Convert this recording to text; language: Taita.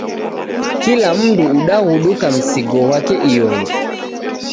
Kila mndu udaghuduka msigo ghwake iyonge.